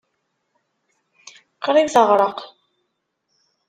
Qrib teɣreq.